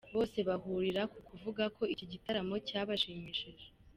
Bose bahurira ku kuvuga ko iki gitaramo cyabashimishije.